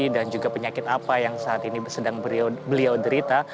dan juga penyakit apa yang saat ini sedang beliau derita